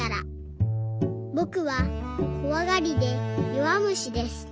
「ぼくはこわがりでよわむしです。